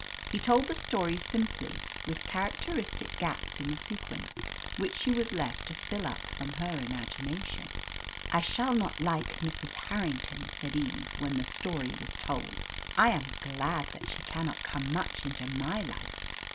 He told the story simply, with characteristic gaps in the sequence, which she was left to fill up from her imagination. "I shall not like Mrs. Harrington," said Eve, when the story was told. "I am glad that she cannot come much into my life.